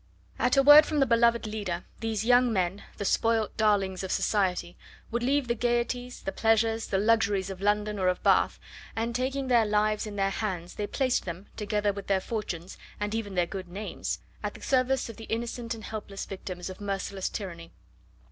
At a word from the beloved leader, these young men the spoilt darlings of society would leave the gaieties, the pleasures, the luxuries of London or of Bath, and, taking their lives in their hands, they placed them, together with their fortunes, and even their good names, at the service of the innocent and helpless victims of merciless tyranny.